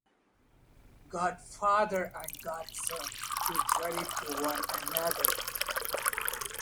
Godfather and godson do credit to one another.